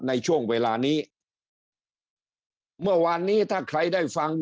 ในช่วงเวลานี้เมื่อวานนี้ถ้าใครได้ฟัง